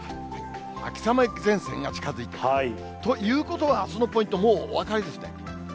秋雨前線が近づいてきた、ということは、あすのポイント、もうお分かりですね？